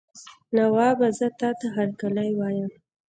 نوابه زه تاته هرکلی وایم.